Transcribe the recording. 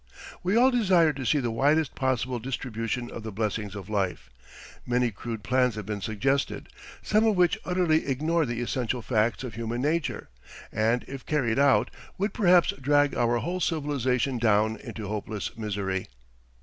We all desire to see the widest possible distribution of the blessings of life. Many crude plans have been suggested, some of which utterly ignore the essential facts of human nature, and if carried out would perhaps drag our whole civilization down into hopeless misery.